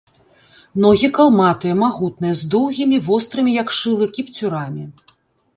Ногі калматыя, магутныя, з доўгімі, вострымі, як шылы, кіпцюрамі.